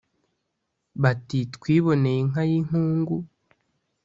bati "twiboneye inka y' inkungu,